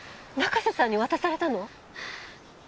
中瀬さんに渡されたの？